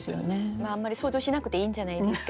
まああんまり想像しなくていいんじゃないですか？